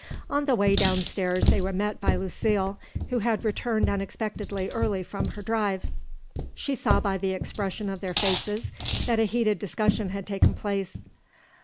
On the way down stairs they were met by Lucile, who had returned unexpectedly early from her drive. She saw by the expression of their faces that a heated discussion had taken place.